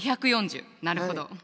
２４０なるほど。